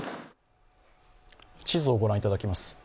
地図をご覧いただきます。